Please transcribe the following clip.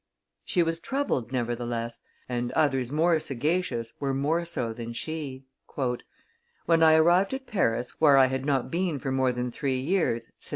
She was troubled, nevertheless, and others more sagacious were more so than she. "When I arrived at Paris, where I had not been for more than three years," says M.